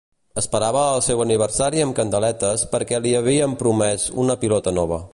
Esperava el seu aniversari amb candeletes perquè li havíem promès una pilota nova.